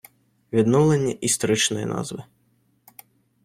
Відновлення історичної назви.